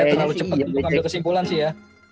kayaknya terlalu cepet untuk ambil kesimpulan sih ya